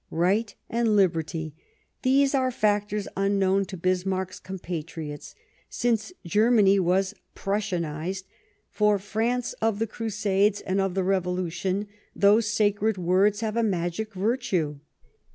Right and Liberty — these are factors unknown to Bismarck's compatriots since Germany was Prussianized ; for France of the Crusades and of the Revolution, those sacred words have a magic virtue.